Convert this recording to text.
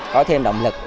có thêm động lực